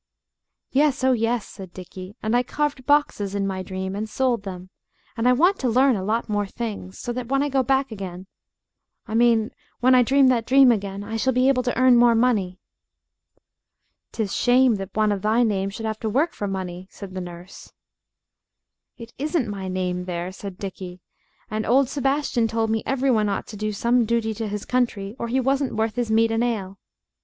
"Yes, oh, yes," said Dickie, "and I carved boxes in my dream, and sold them, and I want to learn a lot more things, so that when I go back again I mean when I dream that dream again I shall be able to earn more money." "'Tis shame that one of thy name should have to work for money," said the nurse. "It isn't my name there," said Dickie; "and old Sebastian told me every one ought to do some duty to his country, or he wasn't worth his meat and ale.